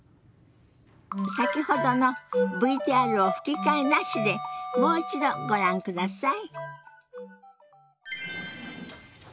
先ほどのＶＴＲを吹き替えなしでもう一度ご覧ください。